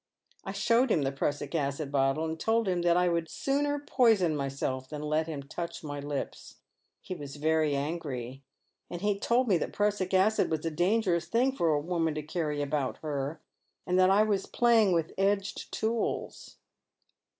I showed him the prassic acid bottle, and told him that I would sooner poison myself than let him touch my lips. He was very angiy, and he told me that prussic acid was a dangerous thing for a woman to caiTy about her, and that I was plajnng with edged tools."